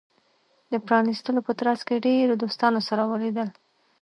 د پرانېستلو په ترڅ کې ډیرو دوستانو سره ولیدل.